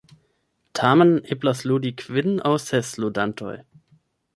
Tamen, eblas ludi kvin aŭ ses ludantoj.